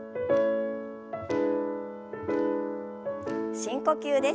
深呼吸です。